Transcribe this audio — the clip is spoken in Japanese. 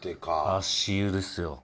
足湯ですよ。